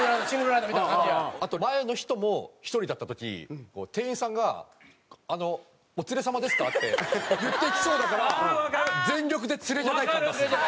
あと前の人も１人だった時店員さんが「お連れ様ですか？」って言ってきそうだから全力で連れじゃない感出す。